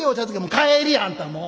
「帰り！あんたもう。